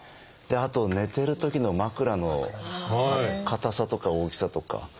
あと寝てるときの枕の硬さとか大きさとか。